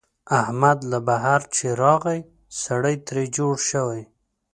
احمد له بهر چې راغی، سړی ترې جوړ شوی.